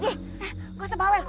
gak usah bawel